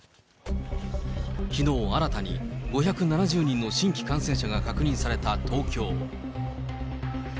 きのう新たに５７０人の新規感染者が確認された東京。